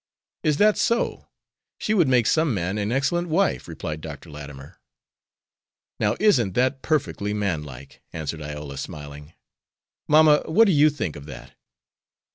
"Is that so? She would make some man an excellent wife," replied Dr. Latimer. "Now isn't that perfectly manlike," answered Iola, smiling. "Mamma, what do you think of that?